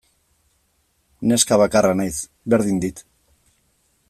Neska bakarra naiz, berdin dit.